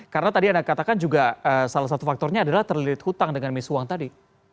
karena tadi anda katakan juga salah satu faktornya adalah terlirik hutang dengan misuang tadi